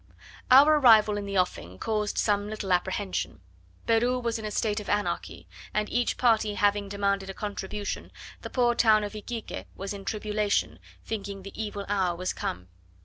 Our arrival in the offing caused some little apprehension. Peru was in a state of anarchy; and each party having demanded a contribution, the poor town of Iquique was in tribulation, thinking the evil hour was come.